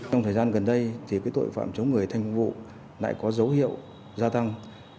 trong thời gian gần đây tội phạm chống người thi hành công vụ lại có dấu hiệu gia tăng